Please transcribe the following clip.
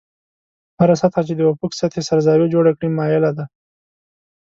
هره سطحه چې د افق سطحې سره زاویه جوړه کړي مایله ده.